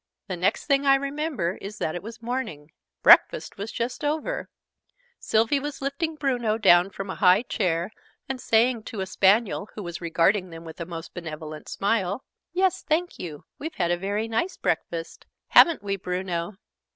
The next thing I remember is that it was morning: breakfast was just over: Sylvie was lifting Bruno down from a high chair, and saying to a Spaniel, who was regarding them with a most benevolent smile, "Yes, thank you we've had a very nice breakfast. Haven't we, Bruno?"